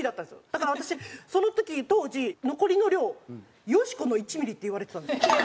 だから私その時当時残りの量を「よしこの１ミリ」って言われてたんですよ。